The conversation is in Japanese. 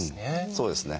そうですね。